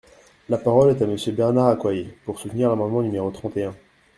La parole est à Monsieur Bernard Accoyer, pour soutenir l’amendement numéro trente et un.